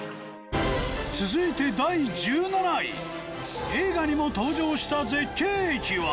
続いて第１７位映画にも登場した絶景駅は。